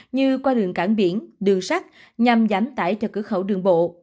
như qua đường cảng biển đường sắt nhằm giảm tải cho cửa khẩu đường bộ